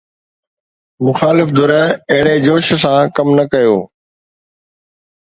مخالف ڌر اهڙي جوش سان ڪم نه ڪيو